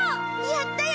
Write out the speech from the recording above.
やったよ